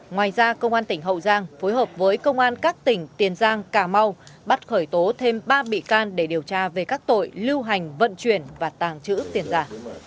ngoài ra công an tỉnh hậu giang phối hợp với công an các tỉnh tiền giang cà mau bắt khởi tố thêm ba bị can để điều tra về các tội lưu hành vận chuyển và tàng trữ tiền giả